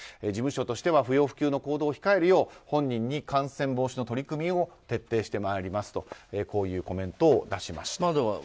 事務所としては不要不急の行動を控えるよう本人に感染防止の取り組みを徹底してまいりますとこういうコメントを出しました。